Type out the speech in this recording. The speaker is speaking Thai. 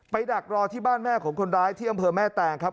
ดักรอที่บ้านแม่ของคนร้ายที่อำเภอแม่แตงครับ